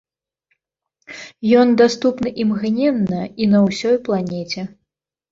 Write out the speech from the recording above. Ён даступны імгненна і на ўсёй планеце.